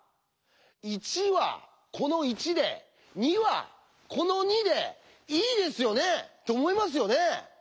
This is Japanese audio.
「１」はこの「１」で「２」はこの「２」でいいですよね？と思いますよね？